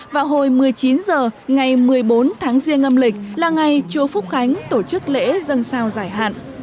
vào hồi một mươi chín h ngày một mươi bốn tháng riêng âm lịch là ngày chùa phúc khánh tổ chức lễ dân sao giải hạn